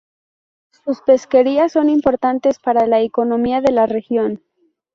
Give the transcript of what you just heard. Sus pesquerías son importantes para la economía de la región.